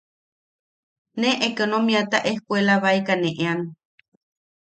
Ne ekonomiata ejkuelabaeka ne ean.